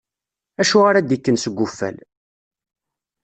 Acu ara d-ikken seg uffal?